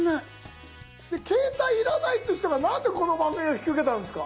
携帯要らないっていう人がなんでこの番組を引き受けたんですか？